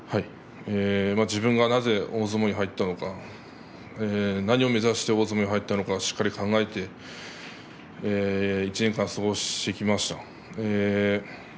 自分がなぜ大相撲に入ったのか何を目指して大相撲に入ったのかしっかり考えて１年間過ごしてきました。